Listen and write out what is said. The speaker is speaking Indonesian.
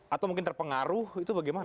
atau mungkin terpengaruh itu bagaimana